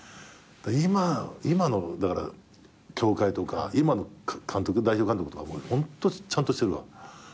今今の協会とか今の代表監督とかホントちゃんとしてるわ。